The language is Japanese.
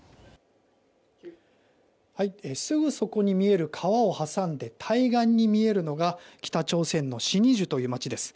すぐそこに見える川を挟んで対岸に見えるのが北朝鮮の新義州という街です。